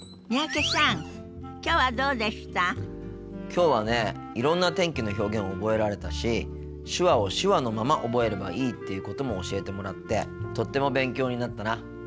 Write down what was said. きょうはねいろんな天気の表現覚えられたし手話を手話のまま覚えればいいっていうことも教えてもらってとっても勉強になったな。